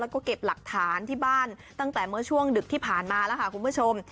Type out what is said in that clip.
แล้วก็เก็บหลักฐานที่บ้านตั้งแต่เมื่อช่วงดึกที่ผ่านมาแล้วค่ะคุณผู้ชม